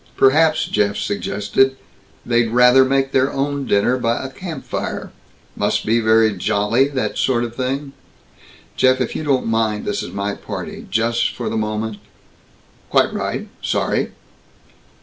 "Perhaps," Jeff suggested, "they'd rather make their own dinner by a campfire. Must be very jolly, and that sort of thing." "Jeff, if you don't mind, this is my party, just for the moment!" "Quite right. Sorry!"